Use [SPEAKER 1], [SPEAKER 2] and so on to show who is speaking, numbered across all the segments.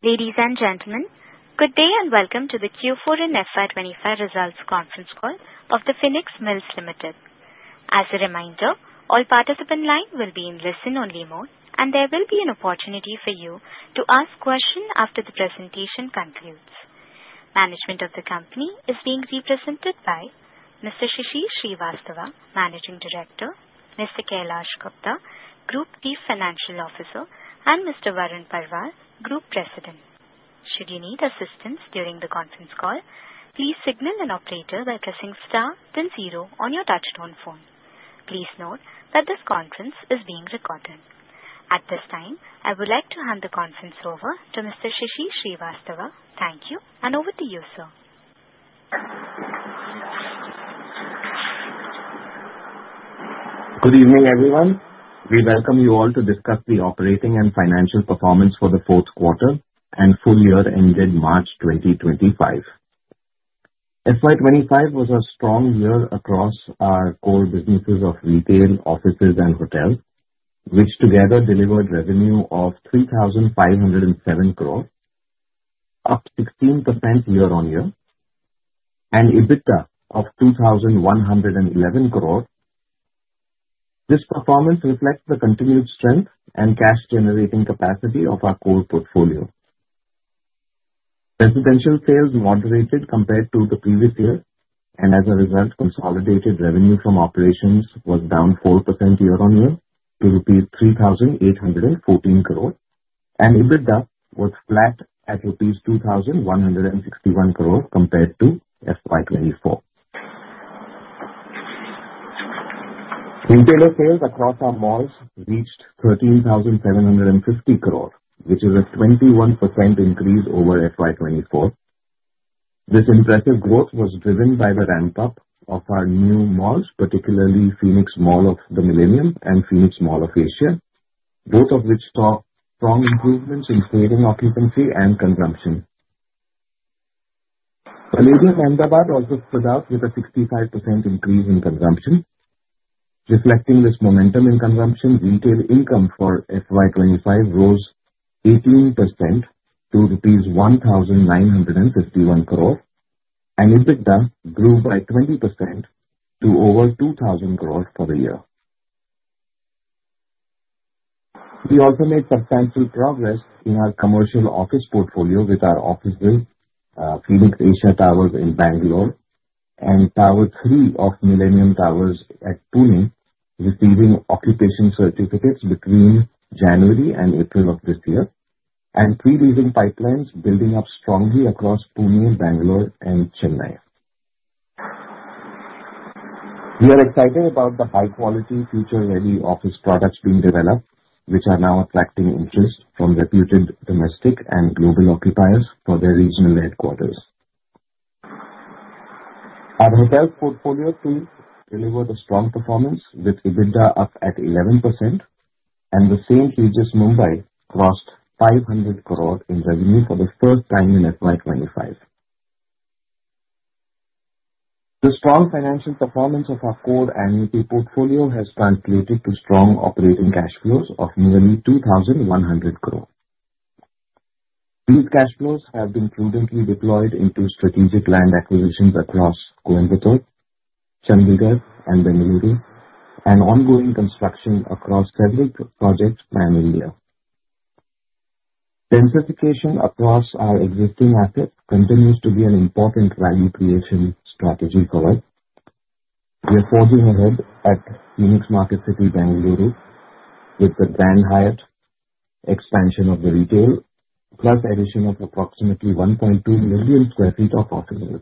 [SPEAKER 1] Ladies and gentlemen, good day and welcome to the Q4 and FY 2025 Results Conference Call of the Phoenix Mills Limited. As a reminder, all participants' lines will be in listen-only mode, and there will be an opportunity for you to ask questions after the presentation concludes. Management of the company is being represented by Mr. Shishir Shrivastava, Managing Director, Mr. Kailash Gupta, Group Chief Financial Officer, and Mr. Varun Parwal, Group President. Should you need assistance during the conference call, please signal an operator by pressing star then zero on your touch-tone phone. Please note that this conference is being recorded. At this time, I would like to hand the conference over to Mr. Shishir Shrivastava. Thank you, and over to you, sir.
[SPEAKER 2] Good evening, everyone. We welcome you all to discuss the operating and financial performance for the fourth quarter and full year ended March 2025. FY 2025 was a strong year across our core businesses of retail, offices, and hotels, which together delivered revenue of 3,507 crore, up 16% year-on-year, and EBITDA of 2,111 crore. This performance reflects the continued strength and cash-generating capacity of our core portfolio. Residential sales moderated compared to the previous year, and as a result, consolidated revenue from operations was down 4% year-on-year to rupees 3,814 crore, and EBITDA was flat at rupees 2,161 crore compared to FY 2024. Retailer sales across our malls reached 13,750 crore, which is a 21% increase over FY 2024. This impressive growth was driven by the ramp-up of our new malls, particularly Phoenix Mall of the Millennium and Phoenix Mall of Asia, both of which saw strong improvements in sales, occupancy, and consumption. Ahmedabad also stood out with a 65% increase in consumption. Reflecting this momentum in consumption, retail income for FY 2025 rose 18% to rupees 1,951 crore, and EBITDA grew by 20% to over 2,000 crore for the year. We also made substantial progress in our commercial office portfolio with our offices, Phoenix Asia Towers in Bangalore and Tower 3 of Millennium Towers at Pune, receiving occupation certificates between January and April of this year, and three leasing pipelines building up strongly across Pune, Bangalore, and Chennai. We are excited about the high-quality, future-ready office products being developed, which are now attracting interest from reputed domestic and global occupiers for their regional headquarters. Our hotel portfolio too delivered a strong performance, with EBITDA up at 11%, and the St. Regis Mumbai crossed 500 crore in revenue for the first time in FY 2025. The strong financial performance of our core annual portfolio has translated to strong operating cash flows of nearly 2,100 crore. These cash flows have been prudently deployed into strategic land acquisitions across Coimbatore, Chandigarh, and Bengaluru, and ongoing construction across several projects primarily. Densification across our existing assets continues to be an important value creation strategy for us. We are forging ahead at Phoenix Marketcity, Bengaluru, with the Grand Hyatt expansion of the retail, plus addition of approximately 1.2 million sq ft of offices.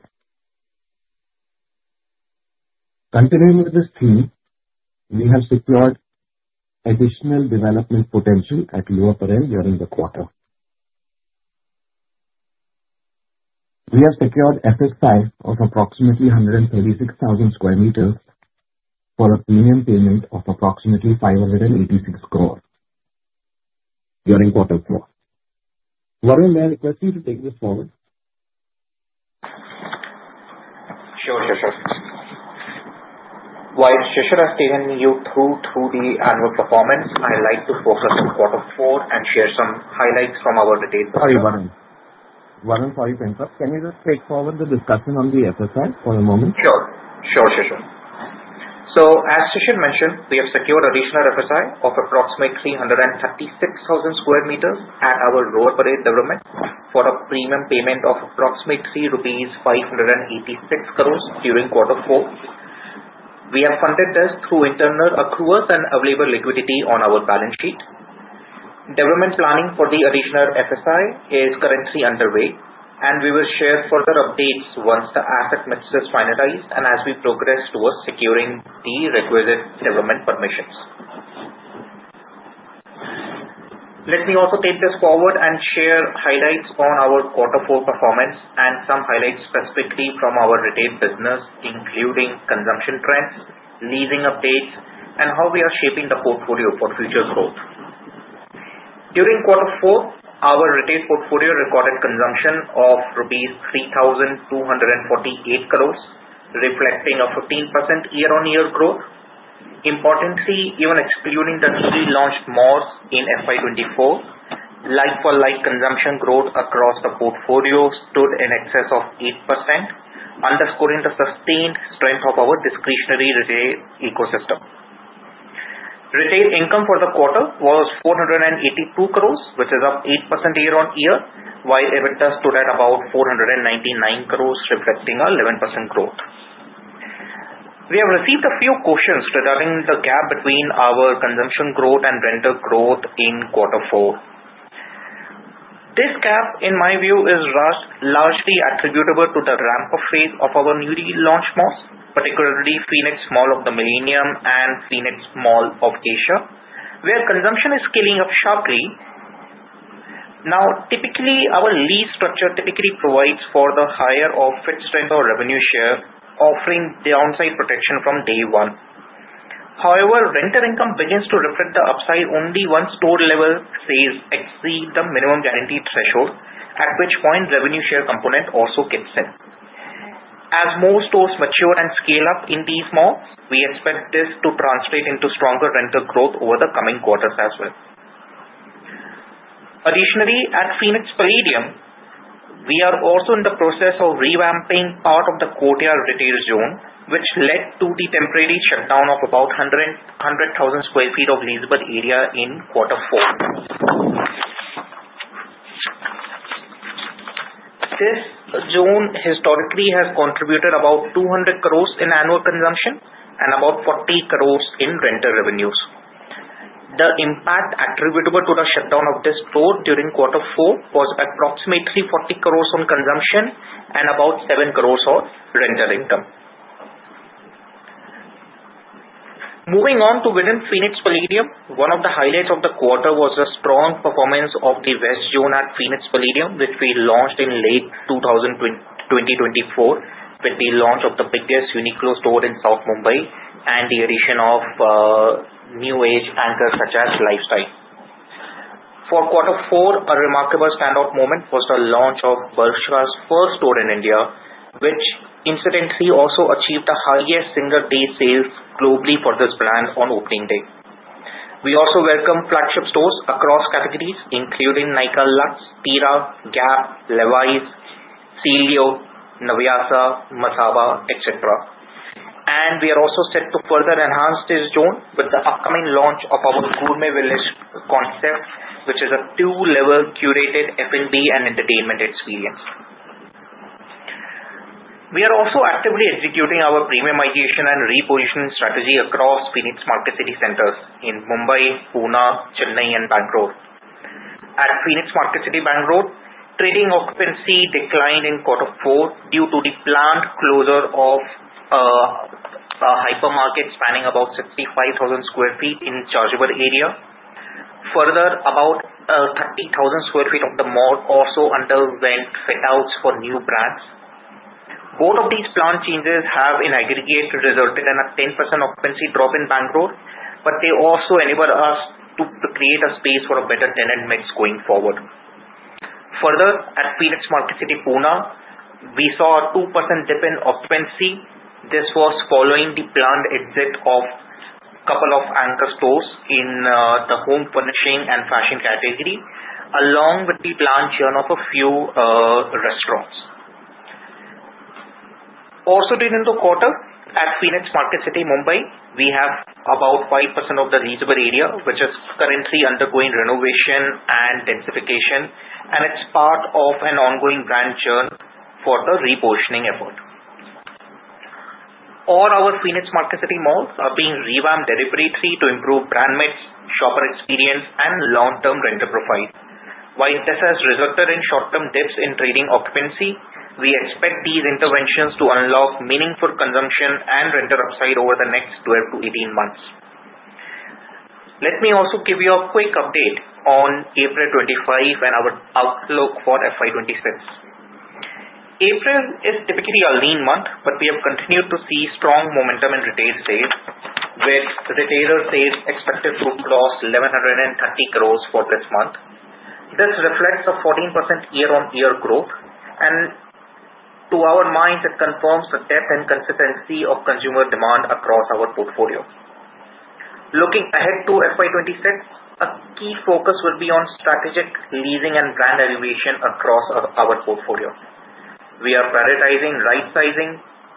[SPEAKER 2] Continuing with this theme, we have secured additional development potential at Lower Parel during the quarter. We have secured FSI of approximately 136,000 sq m for a premium payment of approximately 586 crore during quarter four. Varun, may I request you to take this forward?
[SPEAKER 3] Sure, Shishir. While Shishir has taken you through the annual performance, I'd like to focus on quarter four and share some highlights from our retail portfolio.
[SPEAKER 2] Sorry, Varun. Varun, sorry to interrupt, can you just take forward the discussion on the FSI for a moment?
[SPEAKER 3] Sure. Sure, Shishir. So, as Shishir mentioned, we have secured additional FSI of approximately 336,000 sq m at our Lower Parel development for a premium payment of approximately rupees 3,586 crore during quarter four. We have funded this through internal accruals and available liquidity on our balance sheet. Development planning for the additional FSI is currently underway, and we will share further updates once the asset mix is finalized and as we progress towards securing the requisite development permissions. Let me also take this forward and share highlights on our quarter four performance and some highlights specifically from our retail business, including consumption trends, leasing updates, and how we are shaping the portfolio for future growth. During quarter four, our retail portfolio recorded consumption of rupees 3,248 crore, reflecting a 15% year-on-year growth. Importantly, even excluding the newly launched malls in FY 2024, like-for-like consumption growth across the portfolio stood in excess of 8%, underscoring the sustained strength of our discretionary retail ecosystem. Retail income for the quarter was 482 crore, which is up 8% year-on-year, while EBITDA stood at about 499 crore, reflecting a 11% growth. We have received a few questions regarding the gap between our consumption growth and rental growth in quarter four. This gap, in my view, is largely attributable to the ramp-up phase of our newly launched malls, particularly Phoenix Mall of the Millennium and Phoenix Mall of Asia, where consumption is scaling up sharply. Now, typically, our lease structure provides for the higher of fixed rental revenue share, offering downside protection from day one. However, rental income begins to reflect the upside only once store levels exceed the minimum guaranteed threshold, at which point revenue share component also kicks in. As more stores mature and scale up in these malls, we expect this to translate into stronger rental growth over the coming quarters as well. Additionally, at Phoenix Palladium, we are also in the process of revamping part of the courtyard retail zone, which led to the temporary shutdown of about 100,000 sq ft of leasable area in quarter four. This zone historically has contributed about 200 crore in annual consumption and about 40 crore in rental revenues. The impact attributable to the shutdown of this store during quarter four was approximately 40 crore on consumption and about 7 crore on rental income. Moving on to within Phoenix Palladium, one of the highlights of the quarter was the strong performance of the West Zone at Phoenix Palladium, which we launched in late 2024 with the launch of the biggest Uniqlo store in South Mumbai and the addition of new age anchors such as Lifestyle. For quarter four, a remarkable standout moment was the launch of Bershka's first store in India, which incidentally also achieved the highest single-day sales globally for this brand on opening day. We also welcome flagship stores across categories, including Nykaa Luxe, Tira, Gap, Levi's, Celio, Navyasa, Masaba, etc. And we are also set to further enhance this zone with the upcoming launch of our Gourmet Village concept, which is a two-level curated F&B and entertainment experience. We are also actively executing our premiumization and repositioning strategy across Phoenix Marketcity centers in Mumbai, Pune, Chennai, and Bangalore. At Phoenix Marketcity, Bangalore, trading occupancy declined in quarter four due to the planned closure of a hypermarket spanning about 65,000 sq ft in chargeable area. Further, about 30,000 sq ft of the mall also underwent fit-outs for new brands. Both of these planned changes have in aggregate resulted in a 10% occupancy drop in Bangalore, but they also enable us to create a space for a better tenant mix going forward. Further, at Phoenix Marketcity, Pune, we saw a 2% dip in occupancy. This was following the planned exit of a couple of anchor stores in the home furnishing and fashion category, along with the planned churn of a few restaurants. Also during the quarter, at Phoenix Marketcity, Mumbai, we have about 5% of the leasable area, which is currently undergoing renovation and densification, and it's part of an ongoing brand churn for the repositioning effort. All our Phoenix Marketcity malls are being revamped deliberately to improve brand mix, shopper experience, and long-term rental profile. While this has resulted in short-term dips in trading occupancy, we expect these interventions to unlock meaningful consumption and rental upside over the next 12-18 months. Let me also give you a quick update on April 2025 and our outlook for FY 2026. April is typically a lean month, but we have continued to see strong momentum in retail sales, with retailer sales expected to cross 1,130 crore for this month. This reflects a 14% year-on-year growth, and to our minds, it confirms the depth and consistency of consumer demand across our portfolio. Looking ahead to FY 2026, a key focus will be on strategic leasing and brand evaluation across our portfolio. We are prioritizing right-sizing,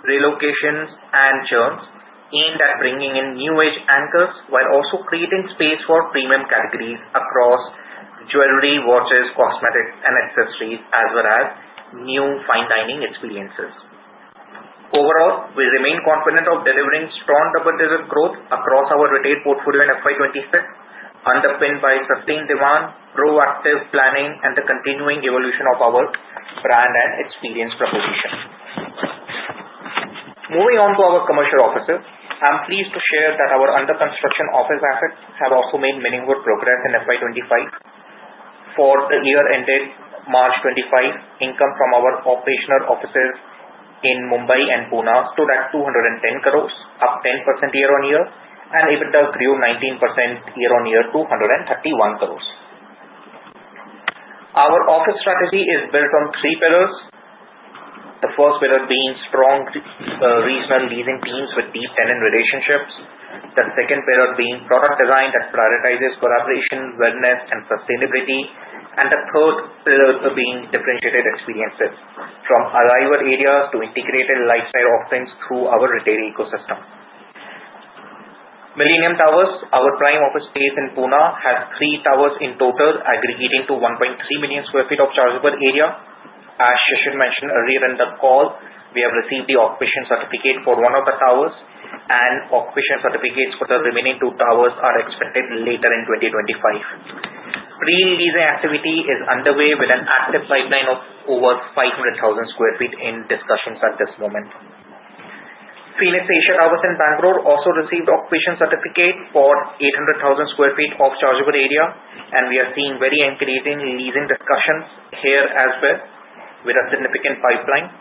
[SPEAKER 3] relocations, and churns aimed at bringing in new age anchors while also creating space for premium categories across jewelry, watches, cosmetics, and accessories, as well as new fine dining experiences. Overall, we remain confident of delivering strong double-digit growth across our retail portfolio in FY 2026, underpinned by sustained demand, proactive planning, and the continuing evolution of our brand and experience proposition. Moving on to our commercial offices, I'm pleased to share that our under-construction office assets have also made meaningful progress in FY 2025. For the year-ended March 2025, income from our operational offices in Mumbai and Pune stood at 210 crore, up 10% year-on-year, and EBITDA grew 19% year-on-year to 131 crore. Our office strategy is built on three pillars, the first pillar being strong regional leasing teams with deep tenant relationships, the second pillar being product design that prioritizes collaboration, wellness, and sustainability, and the third pillar being differentiated experiences from arrival areas to integrated lifestyle offerings through our retail ecosystem. Millennium Towers, our prime office space in Pune, has three towers in total, aggregating to 1.3 million sq ft of chargeable area. As Shishir mentioned earlier in the call, we have received the occupation certificate for one of the towers, and occupation certificates for the remaining two towers are expected later in 2025. Pre-leasing activity is underway with an active pipeline of over 500,000 sq ft in discussions at this moment. Phoenix Asia Towers in Bangalore also received occupation certificate for 800,000 sq ft of chargeable area, and we are seeing very encouraging leasing discussions here as well with a significant pipeline.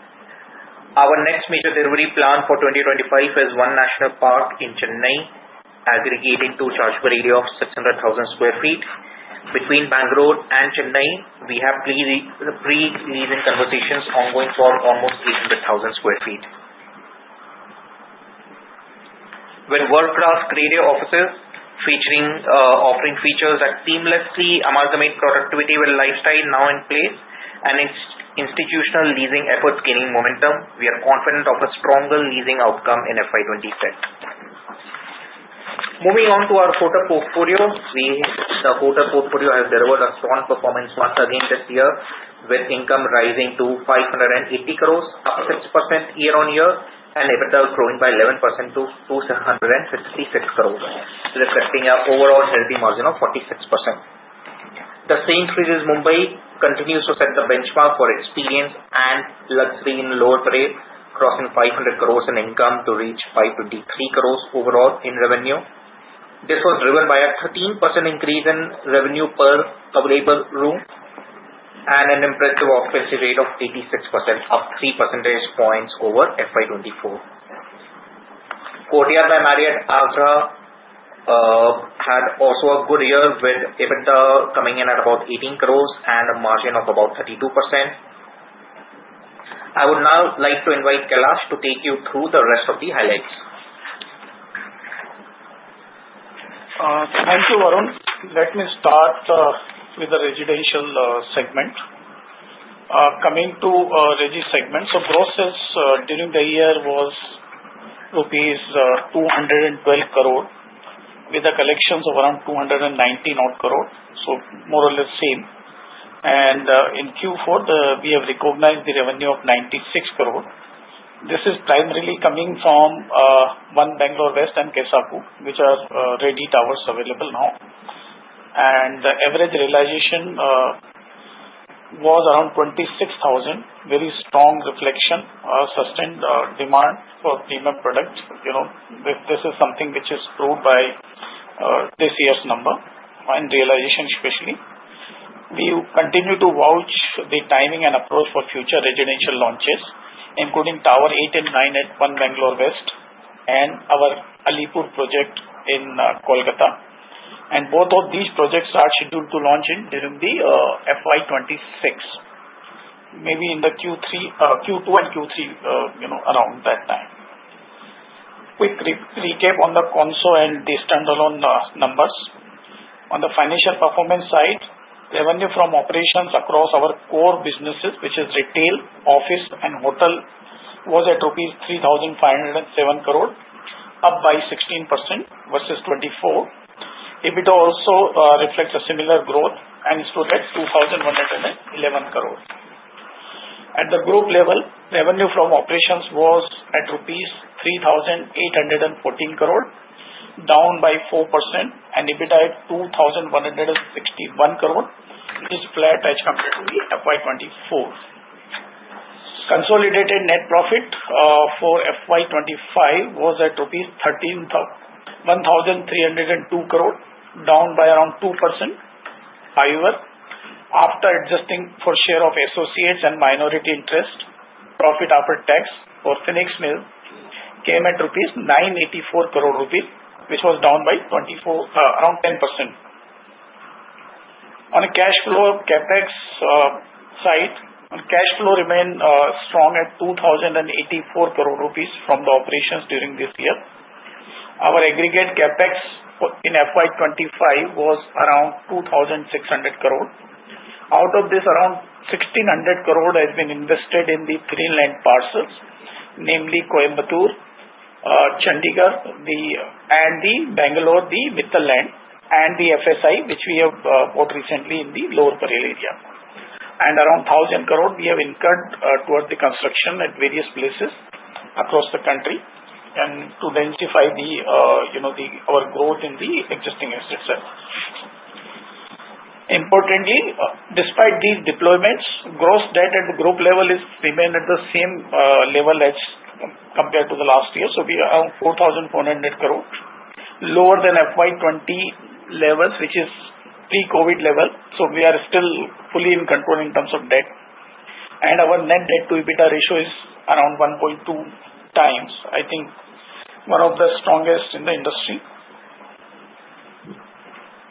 [SPEAKER 3] Our next major delivery plan for 2025 is One National Park in Chennai, aggregating to chargeable area of 600,000 sq ft. Between Bangalore and Chennai, we have pre-leasing conversations ongoing for almost 800,000 sq ft. With world-class creative offices featuring offering features that seamlessly amalgamate productivity with lifestyle now in place and institutional leasing efforts gaining momentum, we are confident of a stronger leasing outcome in FY 2026. Moving on to our core portfolio, the core portfolio has delivered a strong performance once again this year, with income rising to 580 crore, up 6% year-on-year, and EBITDA growing by 11% to 266 crore, reflecting an overall healthy margin of 46%. The St. Regis Mumbai continues to set the benchmark for experience and luxury in Lower Parel, crossing 500 crore in income to reach 523 crore overall in revenue. This was driven by a 13% increase in revenue per available room and an impressive occupancy rate of 86%, up 3 percentage points over FY 2024. Courtyard by Marriott Agra had also a good year with EBITDA coming in at about 18 crore and a margin of about 32%. I would now like to invite Kailash to take you through the rest of the highlights.
[SPEAKER 4] Thank you, Varun. Let me start with the residential segment. Coming to revenue segment, so gross sales during the year was rupees 212 crore, with a collections of around 290 crore, so more or less same. And in Q4, we have recognized the revenue of 96 crore. This is primarily coming from One Bangalore West and Kessaku, which are ready towers available now. And the average realization was around 26,000, very strong reflection, sustained demand for premium product. This is something which is proved by this year's number and realization especially. We continue to vouch for the timing and approach for future residential launches, including Tower 8 and 9 at One Bangalore West and our Alipore project in Kolkata. And both of these projects are scheduled to launch during the FY 2026, maybe in the Q2 and Q3 around that time. Quick recap on the consolidated and the standalone numbers. On the financial performance side, revenue from operations across our core businesses, which is retail, office, and hotel, was at rupees 3,507 crore, up by 16% versus FY 2024. EBITDA also reflects a similar growth and is stood at 2,111 crore. At the group level, revenue from operations was at rupees 3,814 crore, down by 4%, and EBITDA at 2,161 crore, which is flat as compared to the FY 2024. Consolidated net profit for FY 2025 was at 1,302 crore, down by around 2%. However, after adjusting for share of associates and minority interest, profit after tax for Phoenix Mills came at 984 crore rupees, which was down by around 10%. On a cash flow of CapEx side, cash flow remained strong at 2,084 crore rupees from the operations during this year. Our aggregate CapEx in FY 2025 was around 2,600 crore. Out of this, around 1,600 crore has been invested in the three land parcels, namely Coimbatore, Chandigarh, the Bangalore, the Millennium, and the FSI, which we have bought recently in the Lower Parel area. And around 1,000 crore we have incurred towards the construction at various places across the country and to densify our growth in the existing assets. Importantly, despite these deployments, gross debt at the group level has remained at the same level as compared to the last year. So we are around 4,400 crore, lower than FY 2020 levels, which is pre-COVID level. So we are still fully in control in terms of debt. And our net debt to EBITDA ratio is around 1.2x, I think one of the strongest in the industry.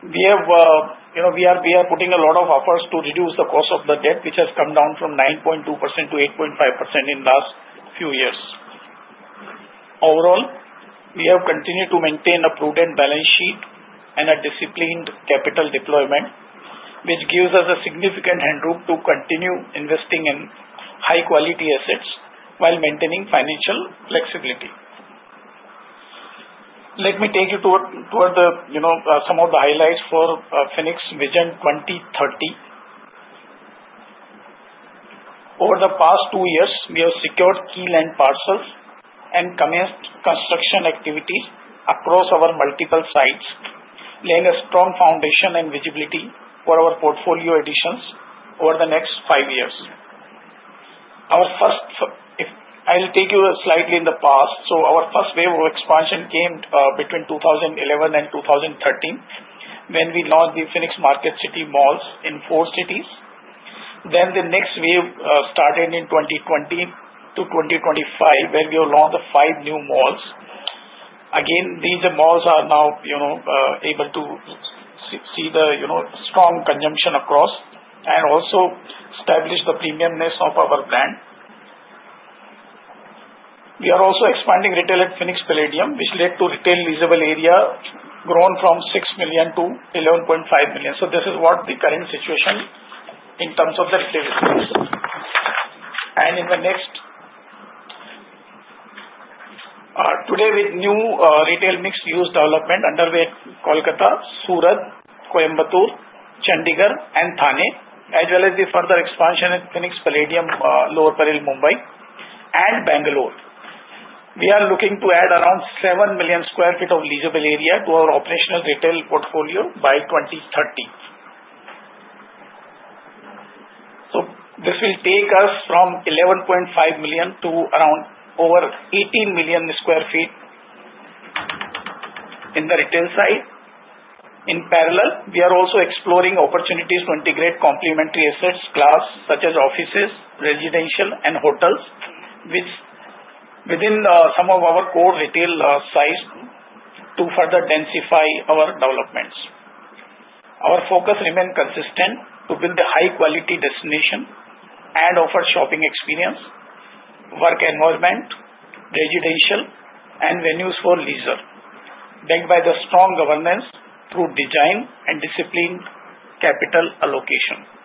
[SPEAKER 4] We are putting a lot of efforts to reduce the cost of the debt, which has come down from 9.2% to 8.5% in the last few years. Overall, we have continued to maintain a prudent balance sheet and a disciplined capital deployment, which gives us a significant headroom to continue investing in high-quality assets while maintaining financial flexibility. Let me take you toward some of the highlights for Phoenix Vision 2030. Over the past two years, we have secured key land parcels and commenced construction activities across our multiple sites, laying a strong foundation and visibility for our portfolio additions over the next five years. I'll take you slightly in the past. So our first wave of expansion came between 2011 and 2013 when we launched the Phoenix Marketcity malls in four cities. Then the next wave started in 2020 to 2025, where we have launched five new malls. Again, these malls are now able to see the strong consumption across and also establish the premiumness of our brand. We are also expanding retail at Phoenix Palladium, which led to retail leasable area grown from six million to 11.5 million. So this is what the current situation in terms of the retail is. And in the next, today, with new retail mixed use development underway at Kolkata, Surat, Coimbatore, Chandigarh, and Thane, as well as the further expansion at Phoenix Palladium, Lower Parel, Mumbai, and Bangalore, we are looking to add around seven million sq ft of leasable area to our operational retail portfolio by 2030. So this will take us from 11.5 million to around over 18 million sq ft in the retail side. In parallel, we are also exploring opportunities to integrate complementary asset class, such as offices, residential, and hotels, within some of our core retail sites to further densify our developments. Our focus remains consistent to build a high-quality destination and offer shopping experience, work environment, residential, and venues for leisure, backed by the strong governance through design and disciplined capital allocation.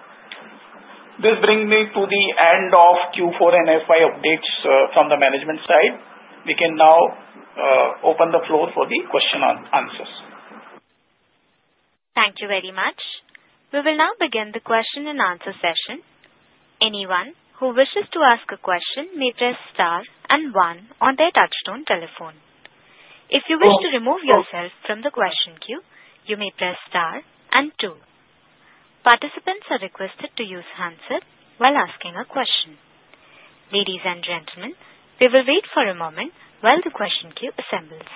[SPEAKER 4] This brings me to the end of Q4 and FY updates from the management side. We can now open the floor for the questions and answers.
[SPEAKER 1] Thank you very much. We will now begin the question and answer session. Anyone who wishes to ask a question may press star and one on their touch-tone telephone. If you wish to remove yourself from the question queue, you may press star and two. Participants are requested to use handsets while asking a question. Ladies and gentlemen, we will wait for a moment while the question queue assembles.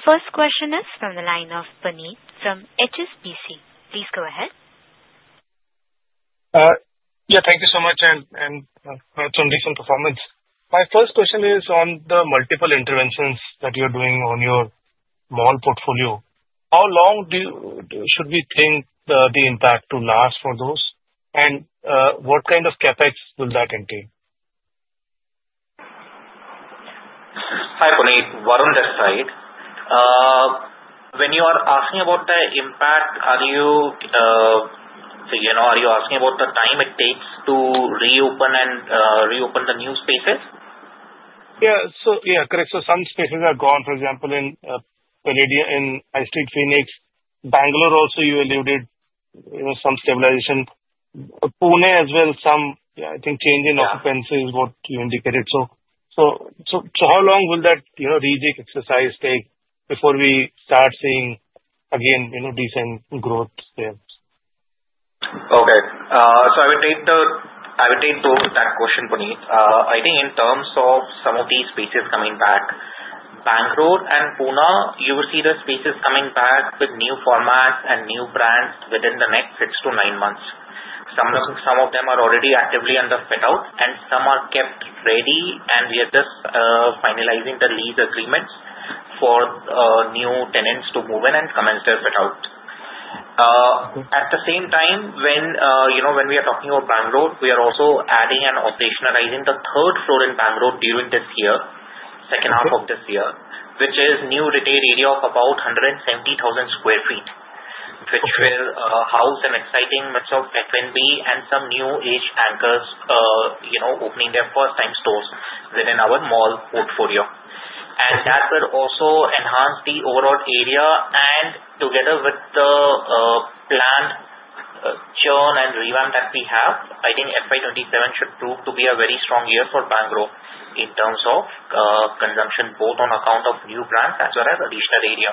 [SPEAKER 1] The first question is from the line of Puneet from HSBC. Please go ahead.
[SPEAKER 5] Yeah, thank you so much, and some decent performance. My first question is on the multiple interventions that you are doing on your mall portfolio. How long should we think the impact to last for those, and what kind of CapEx will that entail?
[SPEAKER 3] Hi, Puneet. Varun this side. When you are asking about the impact, are you asking about the time it takes to reopen the new spaces?
[SPEAKER 5] Yeah, correct. So some spaces are gone, for example, in Palladium, in High Street Phoenix. Bangalore also, you alluded some stabilization. Pune as well, some, I think, change in occupancy is what you indicated. So how long will that rejig exercise take before we start seeing, again, decent growth there?
[SPEAKER 3] Okay, so I will take both that question, Puneet. I think in terms of some of these spaces coming back, Bangalore and Pune, you will see the spaces coming back with new formats and new brands within the next six to nine months. Some of them are already actively under fit-out, and some are kept ready, and we are just finalizing the lease agreements for new tenants to move in and commence their fit-out. At the same time, when we are talking about Bangalore, we are also adding and operationalizing the third floor in Bangalore during this year, second half of this year, which is a new retail area of about 170,000 sq ft, which will house an exciting mix of F&B and some new-age anchors opening their first-time stores within our mall portfolio, and that will also enhance the overall area. Together with the planned churn and revamp that we have, I think FY 2027 should prove to be a very strong year for Bangalore in terms of consumption, both on account of new brands as well as additional area.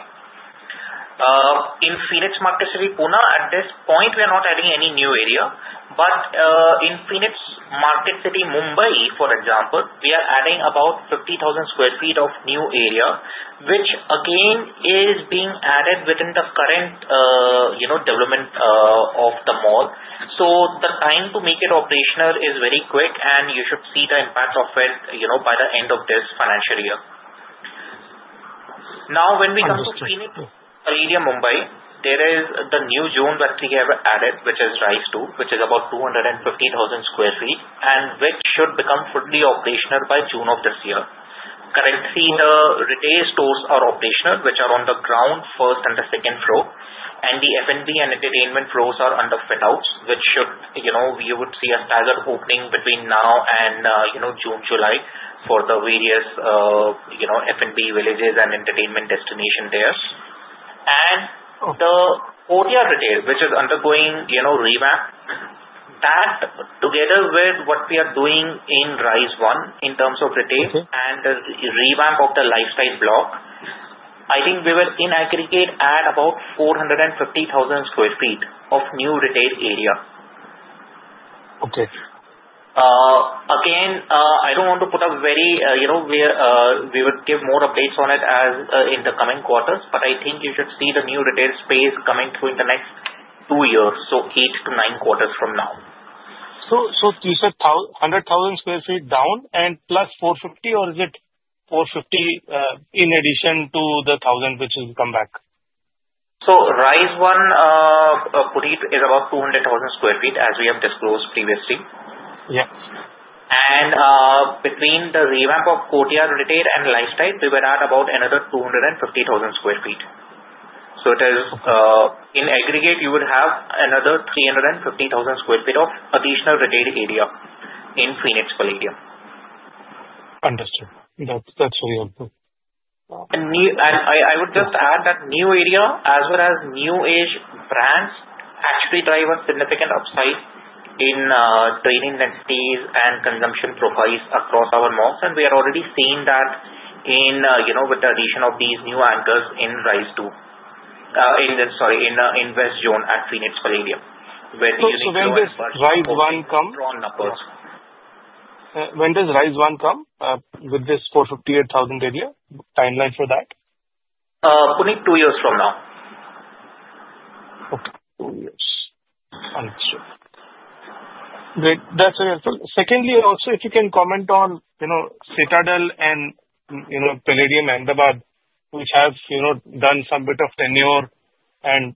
[SPEAKER 3] In Phoenix Marketcity Pune, at this point, we are not adding any new area. But in Phoenix Marketcity, Mumbai, for example, we are adding about 50,000 sq ft of new area, which again is being added within the current development of the mall. The time to make it operational is very quick, and you should see the impact of it by the end of this financial year. Now, when we come to Phoenix Palladium, Mumbai, there is the new zone that we have added, which is Rise 2, which is about 250,000 sq ft, and which should become fully operational by June of this year. Currently, the retail stores are operational, which are on the ground, first and the second floor. The F&B and entertainment floors are under fit-outs, which we would see a staggered opening between now and June, July for the various F&B villages and entertainment destinations there. The courtyard retail, which is undergoing revamp, that together with what we are doing in Rise 1 in terms of retail and the revamp of the lifestyle block, I think we will in aggregate add about 450,000 sq ft of new retail area. Again, I don't want to put up very we would give more updates on it in the coming quarters, but I think you should see the new retail space coming through in the next two years, so eight to nine quarters from now.
[SPEAKER 5] So you said 100,000 sq ft down and plus 450, or is it 450 in addition to the 1,000 which will come back?
[SPEAKER 3] Rise 1, Puneet, is about 200,000 sq ft, as we have disclosed previously. Between the revamp of courtyard retail and Lifestyle, we will add about another 250,000 sq ft. In aggregate, you would have another 350,000 sq ft of additional retail area in Phoenix Palladium.
[SPEAKER 5] Understood. That's really helpful.
[SPEAKER 3] I would just add that new area, as well as new-age brands, actually drive a significant upside in trading densities and consumption profiles across our malls. We are already seeing that with the addition of these new anchors in Rise 2, sorry, in West Zone at Phoenix Palladium, where the usage is much stronger.
[SPEAKER 5] When does Rise 1 come? When does Rise 1 come with this 458,000 area? Timeline for that?
[SPEAKER 3] Puneet, two years from now.
[SPEAKER 5] Okay. Two years. Understood. Great. That's very helpful. Secondly, also, if you can comment on Citadel and Palladium Ahmedabad, which have done some bit of tenure, and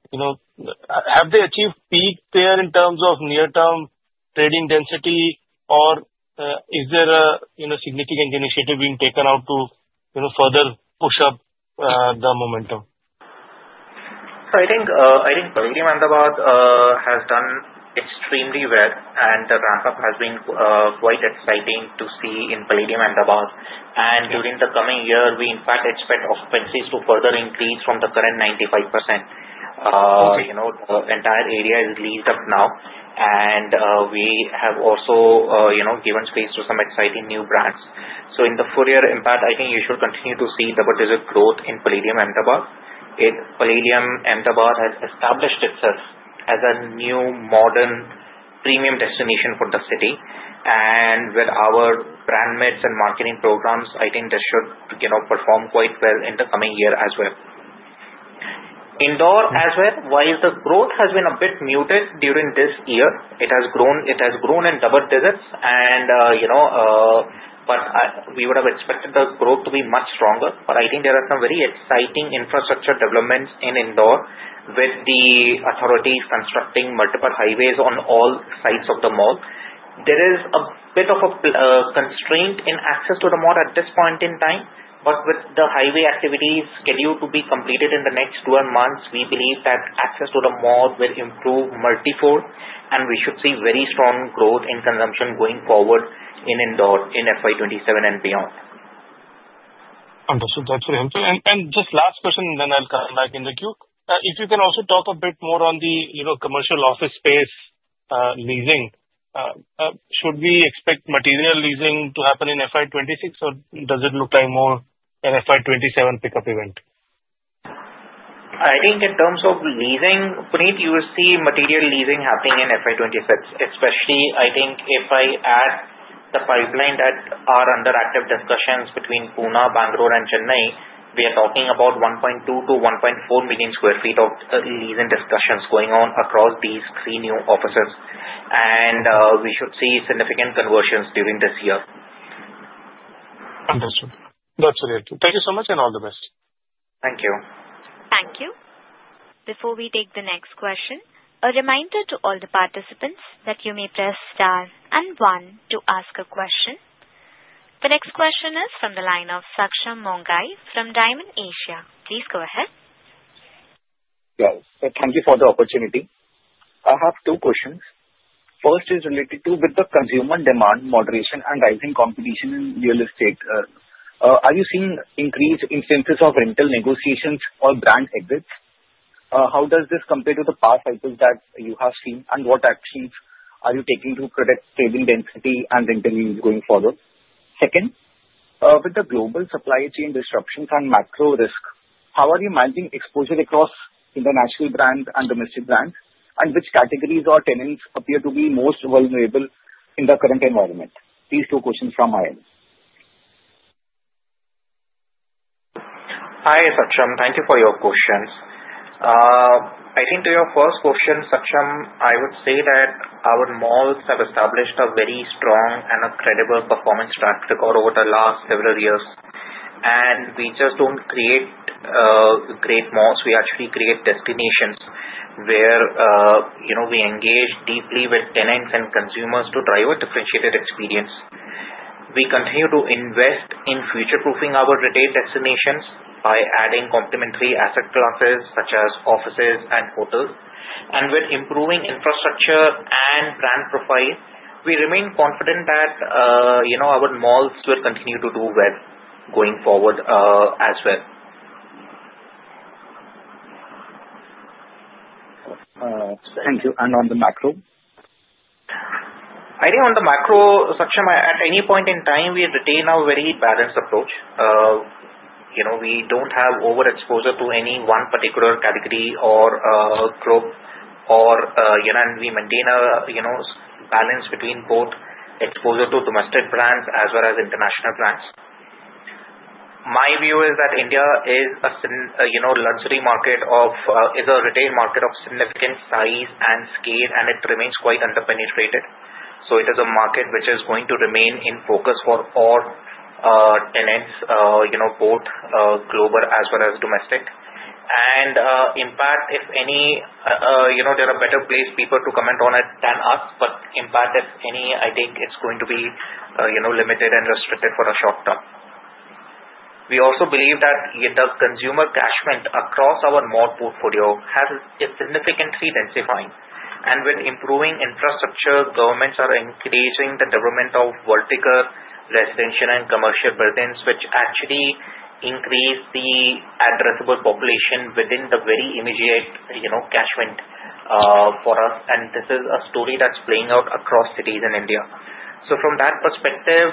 [SPEAKER 5] have they achieved peak there in terms of near-term trading density, or is there a significant initiative being taken out to further push up the momentum?
[SPEAKER 3] I think Palladium Ahmedabad has done extremely well, and the ramp-up has been quite exciting to see in Palladium Ahmedabad. During the coming year, we, in fact, expect occupancies to further increase from the current 95%. The entire area is leased up now, and we have also given space to some exciting new brands. In the four-year impact, I think you should continue to see the proposed growth in Palladium Ahmedabad. Palladium Ahmedabad has established itself as a new modern premium destination for the city. With our brand mix and marketing programs, I think this should perform quite well in the coming year as well. Indore as well, while the growth has been a bit muted during this year, it has grown in double digits. We would have expected the growth to be much stronger. But I think there are some very exciting infrastructure developments in Indore, with the authorities constructing multiple highways on all sides of the mall. There is a bit of a constraint in access to the mall at this point in time. But with the highway activities scheduled to be completed in the next 12 months, we believe that access to the mall will improve multi-fold, and we should see very strong growth in consumption going forward in Indore in FY 2027 and beyond.
[SPEAKER 5] Understood. That's very helpful and just last question, and then I'll come back in the queue. If you can also talk a bit more on the commercial office space leasing, should we expect material leasing to happen in FY 2026, or does it look like more an FY 2027 pickup event?
[SPEAKER 3] I think in terms of leasing, Puneet, you will see material leasing happening in FY 2026, especially, I think, if I add the pipeline that are under active discussions between Pune, Bangalore, and Chennai. We are talking about 1.2 million sq ft-1.4 million sq ft of leasing discussions going on across these three new offices, and we should see significant conversions during this year.
[SPEAKER 5] Understood. That's really helpful. Thank you so much and all the best.
[SPEAKER 3] Thank you.
[SPEAKER 1] Thank you. Before we take the next question, a reminder to all the participants that you may press star and one to ask a question. The next question is from the line of Saksham Mongia from Dymon Asia. Please go ahead.
[SPEAKER 6] Yes. Thank you for the opportunity. I have two questions. First is related to, with the consumer demand, moderation, and rising competition in real estate, are you seeing increased instances of rental negotiations or brand exits? How does this compare to the past cycles that you have seen, and what actions are you taking to protect trading density and rental lease going forward? Second, with the global supply chain disruptions and macro risk, how are you managing exposure across international brands and domestic brands, and which categories or tenants appear to be most vulnerable in the current environment? These two questions from my end.
[SPEAKER 3] Hi, Saksham. Thank you for your questions. I think to your first question, Saksham, I would say that our malls have established a very strong and a credible performance track record over the last several years, and we just don't create great malls. We actually create destinations where we engage deeply with tenants and consumers to drive a differentiated experience. We continue to invest in future-proofing our retail destinations by adding complementary asset classes such as offices and hotels, and with improving infrastructure and brand profile, we remain confident that our malls will continue to do well going forward as well.
[SPEAKER 6] Thank you. And on the macro?
[SPEAKER 3] I think on the macro, Saksham, at any point in time, we retain a very balanced approach. We don't have overexposure to any one particular category or group, and we maintain a balance between both exposure to domestic brands as well as international brands. My view is that India is a luxury market or is a retail market of significant size and scale, and it remains quite underpenetrated. So it is a market which is going to remain in focus for all tenants, both global as well as domestic. Impact, if any, there are better placed people to comment on it than us, but impact, if any, I think it's going to be limited and restricted for the short term. We also believe that the consumer catchment across our mall portfolio has significantly densified. With improving infrastructure, governments are increasing the development of vertical residential and commercial buildings, which actually increase the addressable population within the very immediate catchment for us. This is a story that's playing out across cities in India. From that perspective,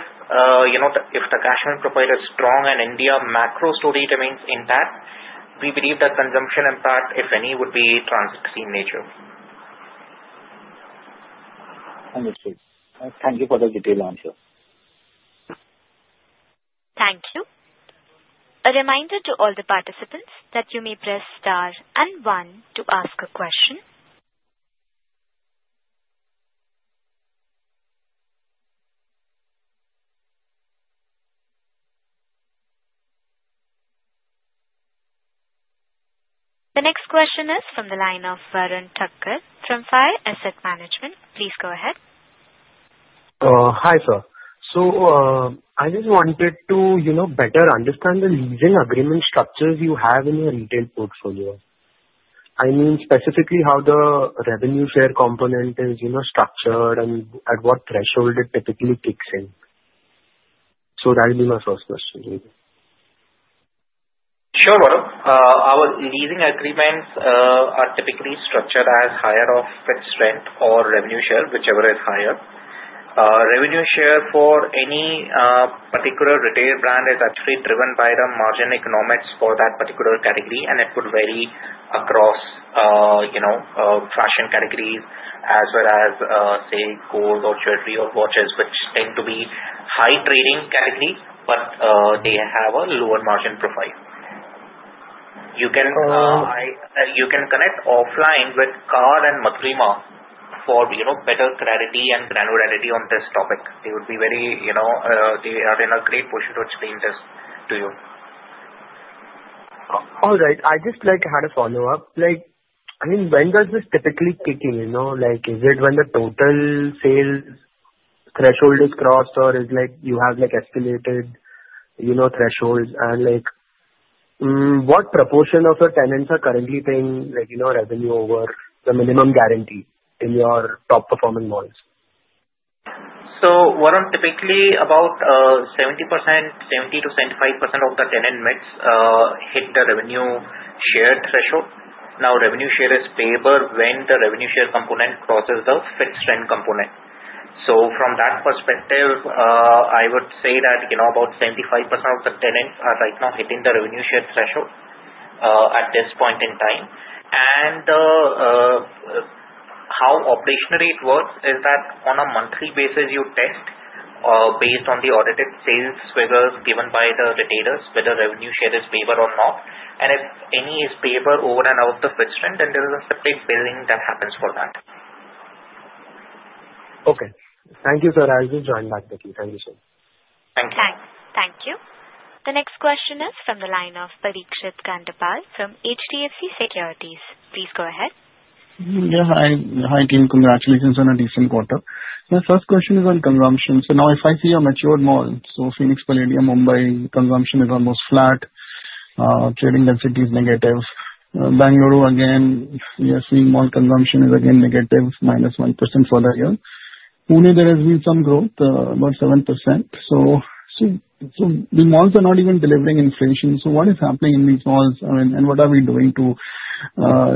[SPEAKER 3] if the catchment profile is strong and India macro story remains intact, we believe that consumption impact, if any, would be transient nature.
[SPEAKER 6] Understood. Thank you for the detailed answer.
[SPEAKER 1] Thank you. A reminder to all the participants that you may press star and one to ask a question. The next question is from the line of Varun Thakkar from FYERS Asset Management. Please go ahead.
[SPEAKER 7] Hi, sir. So I just wanted to better understand the leasing agreement structures you have in your retail portfolio. I mean, specifically, how the revenue share component is structured and at what threshold it typically kicks in? So that would be my first question.
[SPEAKER 3] Sure, Varun. Our leasing agreements are typically structured as higher of fixed rent or revenue share, whichever is higher. Revenue share for any particular retail brand is actually driven by the margin economics for that particular category, and it could vary across fashion categories as well as, say, clothes or jewelry or watches, which tend to be high-trading categories, but they have a lower margin profile. You can connect offline with Karl and Madhurima for better clarity and granularity on this topic. They are in a great position to explain this to you.
[SPEAKER 7] All right. I just had a follow-up. I mean, when does this typically kick in? Is it when the total sales threshold is crossed, or is it like you have escalated thresholds? And what proportion of your tenants are currently paying revenue over the minimum guarantee in your top-performing malls?
[SPEAKER 3] Typically, about 70%-75% of the tenant mix hit the revenue share threshold. Now, revenue share is favored when the revenue share component crosses the fixed rent component. From that perspective, I would say that about 75% of the tenants are right now hitting the revenue share threshold at this point in time. How operationally it works is that on a monthly basis, you test based on the audited sales figures given by the retailers whether revenue share is favored or not. If any is favored over and above the fixed rent, then there is a separate billing that happens for that.
[SPEAKER 7] Okay. Thank you, sir. I will join back quickly. Thank you, sir.
[SPEAKER 3] Thank you.
[SPEAKER 1] Thank you. The next question is from the line of Parikshit Kandpal from HDFC Securities. Please go ahead.
[SPEAKER 8] Yeah. Hi, team. Congratulations on a decent quarter. My first question is on consumption. So now, if I see a mature mall, so Phoenix Palladium, Mumbai, consumption is almost flat. Trading density is negative. Bangalore, again, we are seeing mall consumption is again negative, -1% for the year. Pune, there has been some growth, about 7%. So the malls are not even delivering inflation. So what is happening in these malls, and what are we doing to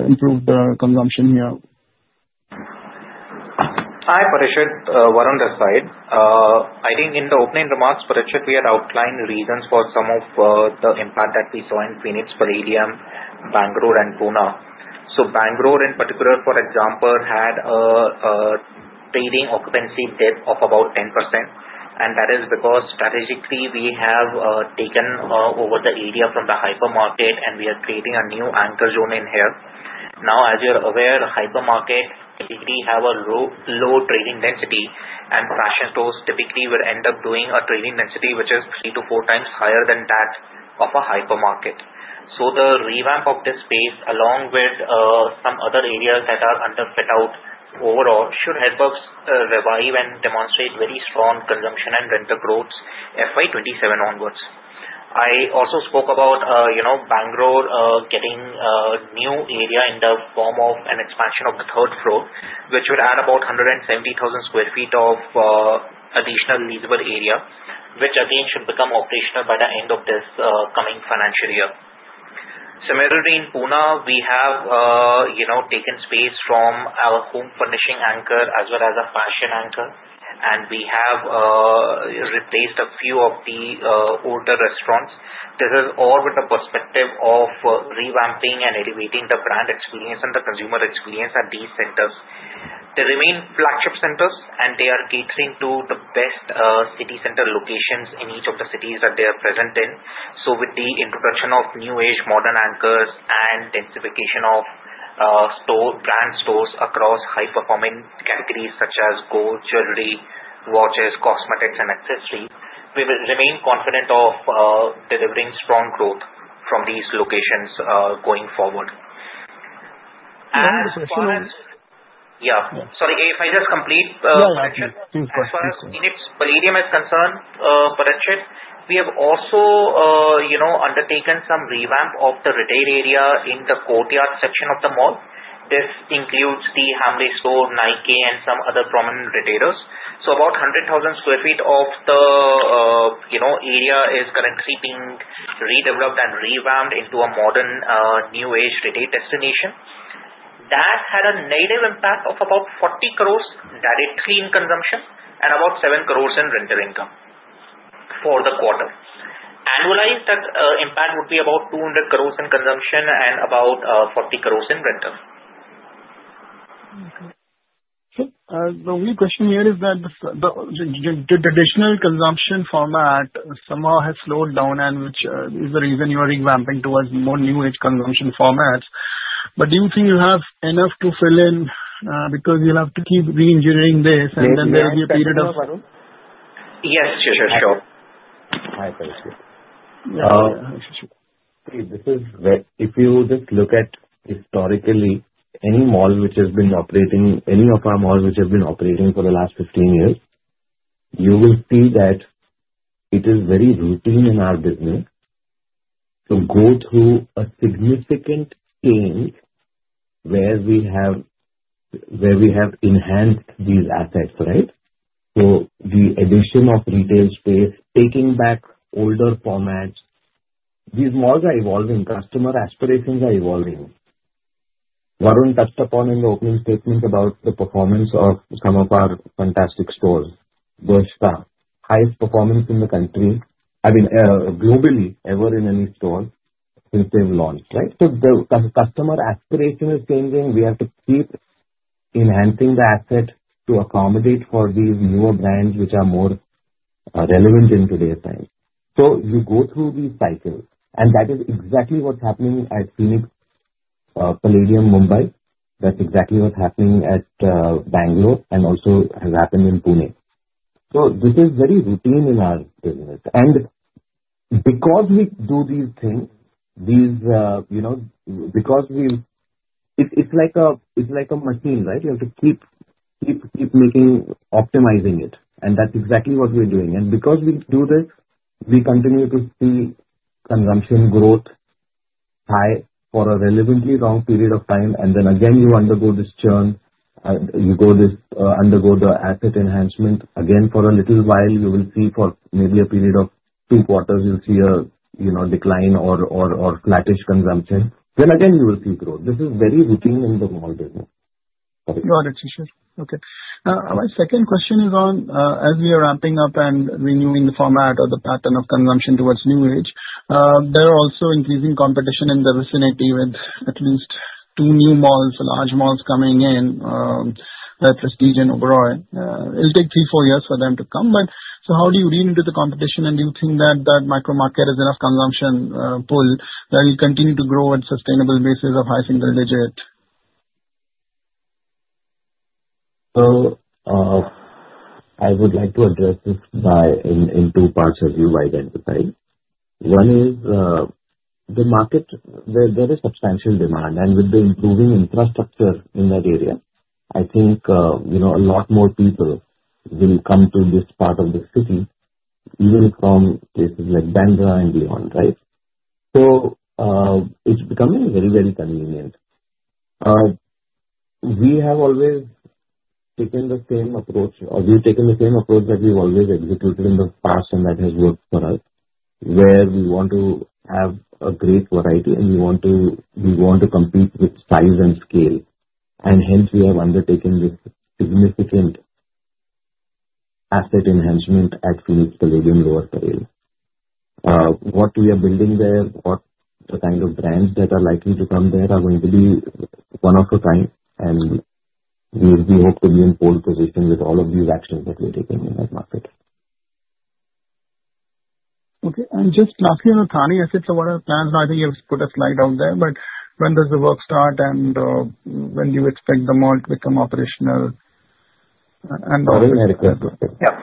[SPEAKER 8] improve the consumption here?
[SPEAKER 3] Hi, Parikshit. Varun this side. I think in the opening remarks, Parikshit, we had outlined reasons for some of the impact that we saw in Phoenix Palladium, Bangalore, and Pune. So Bangalore, in particular, for example, had a trading occupancy dip of about 10%. And that is because strategically, we have taken over the area from the hypermarket, and we are creating a new anchor zone in here. Now, as you're aware, hypermarkets typically have a low trading density, and fashion stores typically will end up doing a trading density which is three to four times higher than that of a hypermarket. So the revamp of this space, along with some other areas that are under fit-out overall, should help us revive and demonstrate very strong consumption and rental growths FY 2027 onwards. I also spoke about Bangalore getting a new area in the form of an expansion of the third floor, which will add about 170,000 sq ft of additional leasable area, which again should become operational by the end of this coming financial year. Similarly, in Pune, we have taken space from our home furnishing anchor as well as a fashion anchor, and we have replaced a few of the older restaurants. This is all with the perspective of revamping and elevating the brand experience and the consumer experience at these centers. They remain flagship centers, and they are catering to the best city center locations in each of the cities that they are present in. With the introduction of new-age modern anchors and densification of brand stores across high-performing categories such as clothes, jewelry, watches, cosmetics, and accessories, we will remain confident of delivering strong growth from these locations going forward.
[SPEAKER 8] One more question.
[SPEAKER 3] Yeah. Sorry, if I just complete.
[SPEAKER 8] Yeah. Please, go ahead.
[SPEAKER 3] As far as Pune Palladium is concerned, Parikshit, we have also undertaken some revamp of the retail area in the courtyard section of the mall. This includes the Hamleys Store, Nike, and some other prominent retailers. So about 100,000 sq ft of the area is currently being redeveloped and revamped into a modern, new-age retail destination. That had a negative impact of about 40 crores directly in consumption and about 7 crores in rental income for the quarter. Annualized, that impact would be about 200 crores in consumption and about 40 crores in rental.
[SPEAKER 8] So the only question here is that the traditional consumption format somehow has slowed down, and which is the reason you are revamping towards more new-age consumption formats. But do you think you have enough to fill in because you'll have to keep re-engineering this, and then there will be a period of.
[SPEAKER 3] Yes. Sure, sure, sure.
[SPEAKER 2] Hi, Parikshit. This is Shishir. If you just look at historically, any mall which has been operating, any of our malls which have been operating for the last 15 years, you will see that it is very routine in our business to go through a significant change where we have enhanced these assets, right? So the addition of retail space, taking back older formats, these malls are evolving. Customer aspirations are evolving. Varun touched upon in the opening statement about the performance of some of our fantastic stores, Bershka, highest performance in the country, I mean, globally, ever in any store since they've launched, right? So the customer aspiration is changing. We have to keep enhancing the asset to accommodate for these newer brands which are more relevant in today's time. So you go through these cycles, and that is exactly what's happening at Phoenix Palladium, Mumbai. That's exactly what's happening at Bangalore and also has happened in Pune. So this is very routine in our business. And because we do these things, it's like a machine, right? You have to keep optimizing it. And that's exactly what we're doing. And because we do this, we continue to see consumption growth high for a relatively long period of time. And then again, you undergo this churn. You undergo the asset enhancement. Again, for a little while, you will see for maybe a period of two quarters, you'll see a decline or flattish consumption. Then again, you will see growth. This is very routine in the mall business.
[SPEAKER 8] Got it, Shishir. Okay. My second question is on, as we are ramping up and renewing the format or the pattern of consumption towards new age, there are also increasing competition in the vicinity with at least two new malls, large malls coming in, Prestige and Oberoi. It'll take three, four years for them to come. So how do you read into the competition? And do you think that that micro market is enough consumption pull that will continue to grow on sustainable basis of high single digit?
[SPEAKER 2] I would like to address this in two parts as you identify. One is the market; there is substantial demand. With the improving infrastructure in that area, I think a lot more people will come to this part of the city, even from places like Bandra and beyond, right? It's becoming very, very convenient. We have always taken the same approach, or we've taken the same approach that we've always executed in the past, and that has worked for us, where we want to have a great variety, and we want to compete with size and scale. Hence, we have undertaken this significant asset enhancement at Phoenix Palladium, Lower Parel. What we are building there, what the kind of brands that are likely to come there are going to be one of a kind. We hope to be in pole position with all of these actions that we're taking in that market.
[SPEAKER 8] Okay. And just lastly, on the Thane asset enhancement plans, I think you've put a slide out there, but when does the work start, and when do you expect the mall to become operational?
[SPEAKER 2] Sorry, may I request?
[SPEAKER 8] Yeah.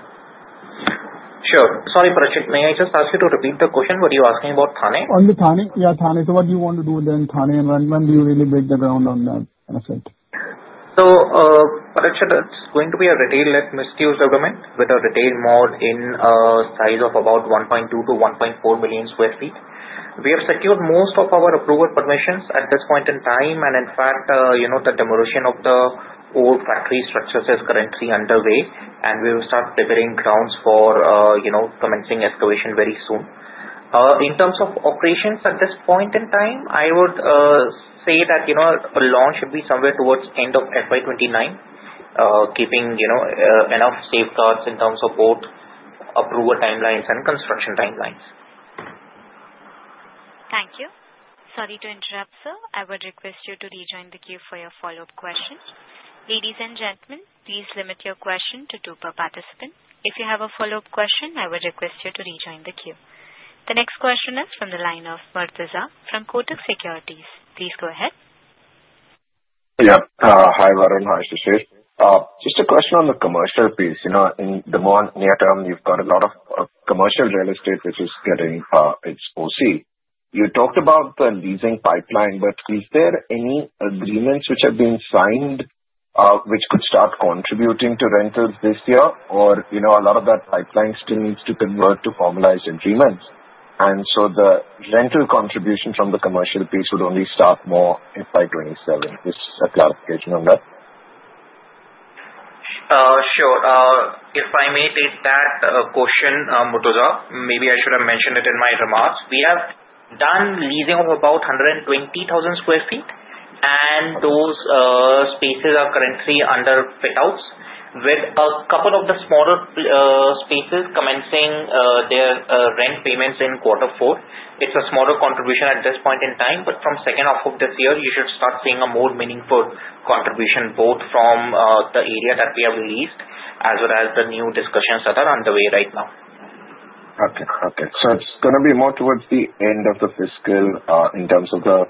[SPEAKER 3] Sure. Sorry, Parikshit. May I just ask you to repeat the question? Were you asking about Thane?
[SPEAKER 8] On the Thane, yeah, Thane. So what do you want to do with the Thane, and when do you really break the ground on that asset?
[SPEAKER 3] Parikshit, it's going to be a retail-led mixed-use development with a retail mall in a size of about 1.2 million sq ft-1.4 million sq ft. We have secured most of our approval permissions at this point in time. In fact, the demolition of the old factory structures is currently underway, and we will start preparing grounds for commencing excavation very soon. In terms of operations at this point in time, I would say that a launch should be somewhere towards the end of FY 2029, keeping enough safeguards in terms of both approval timelines and construction timelines.
[SPEAKER 1] Thank you. Sorry to interrupt, sir. I would request you to rejoin the queue for your follow-up question. Ladies and gentlemen, please limit your question to two per participant. If you have a follow-up question, I would request you to rejoin the queue. The next question is from the line of Murtuza from Kotak Securities. Please go ahead.
[SPEAKER 9] Yeah. Hi, Varun. Nice to see you. Just a question on the commercial piece. In the more near term, you've got a lot of commercial real estate which is getting its OC. You talked about the leasing pipeline, but is there any agreements which have been signed which could start contributing to rentals this year? Or a lot of that pipeline still needs to convert to formalized agreements. And so the rental contribution from the commercial piece would only start more in FY 2027. Just a clarification on that.
[SPEAKER 3] Sure. If I may take that question, Murtuza, maybe I should have mentioned it in my remarks. We have done leasing of about 120,000 sq ft, and those spaces are currently under fit-outs, with a couple of the smaller spaces commencing their rent payments in quarter four. It's a smaller contribution at this point in time, but from second half of this year, you should start seeing a more meaningful contribution both from the area that we have leased as well as the new discussions that are underway right now.
[SPEAKER 9] Okay. Okay. So it's going to be more towards the end of the fiscal in terms of the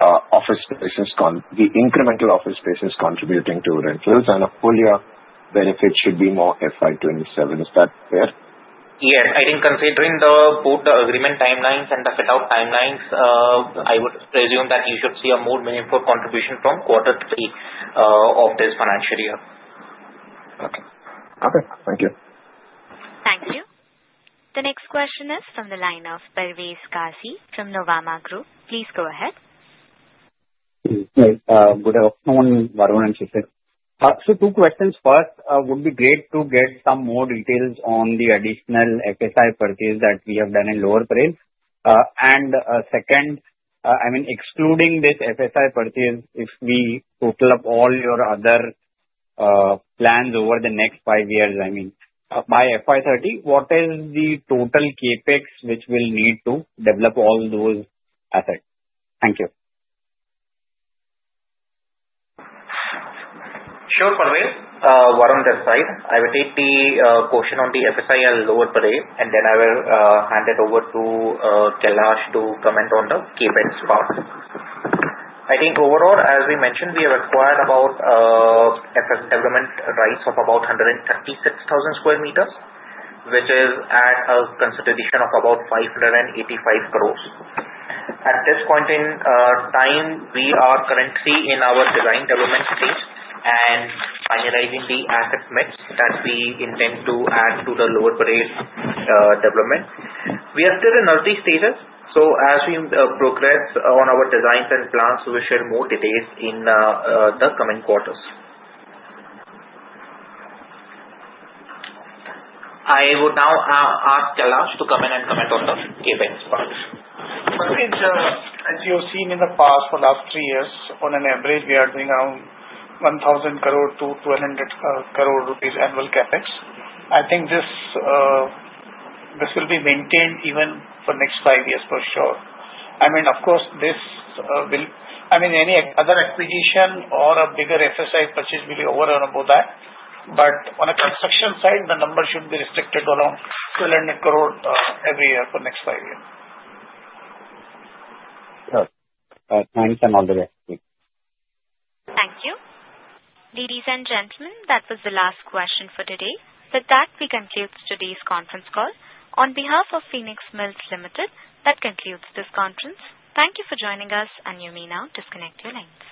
[SPEAKER 9] incremental office spaces contributing to rentals, and a full-year benefit should be more FY 2027. Is that fair?
[SPEAKER 3] Yes. I think considering both the agreement timelines and the fit-out timelines, I would presume that you should see a more meaningful contribution from quarter three of this financial year.
[SPEAKER 9] Okay. Thank you.
[SPEAKER 1] Thank you. The next question is from the line of Parvez Qazi from Nuvama Group. Please go ahead.
[SPEAKER 10] Good afternoon, Varun and Shishir. So two questions. First, would be great to get some more details on the additional FSI purchase that we have done in Lower Parel. And second, I mean, excluding this FSI purchase, if we total up all your other plans over the next five years, I mean, by FY 2030, what is the total CapEx which we'll need to develop all those assets? Thank you.
[SPEAKER 3] Sure, Parvez. Varun this side, I will take the question on the FSI and Lower Parel, and then I will hand it over to Kailash to comment on the CapEx part. I think overall, as we mentioned, we have acquired about FSI development rights of about 136,000 sq m, which is at a consideration of about 585 crores. At this point in time, we are currently in our design development stage and finalizing the asset mix that we intend to add to the Lower Parel development. We are still in early stages. So as we progress on our designs and plans, we will share more details in the coming quarters. I would now ask Kailash to come in and comment on the CapEx part.
[SPEAKER 4] Parvez, as you've seen in the past, for the last three years, on average, we are doing around 1,000 crore-1,200 crore rupees annual CapEx. I think this will be maintained even for the next five years for sure. I mean, of course, any other acquisition or a bigger FSI purchase will be over and above that. But on a construction side, the number should be restricted to around INR 1,200 crore every year for the next five years.
[SPEAKER 10] Thanks. I'm all the way.
[SPEAKER 1] Thank you. Ladies and gentlemen, that was the last question for today. With that, we conclude today's conference call. On behalf of Phoenix Mills Limited, that concludes this conference. Thank you for joining us, and you may now disconnect your lines.